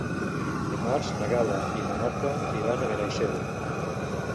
Dimarts na Gal·la i na Marta iran a Benaixeve.